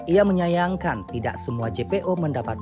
ia menyayangkan tidak semua jpo mendapatkan